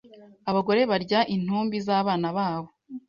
abagore barya intumbi z'abana babo